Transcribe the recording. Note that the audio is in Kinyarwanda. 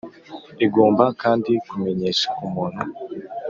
Igomba kandi kumenyesha umuntu